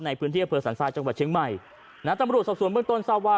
ในพื้นที่อำเภอสันทรายจังหวัดเชียงใหม่นะตำรวจสอบส่วนเบื้องต้นทราบว่า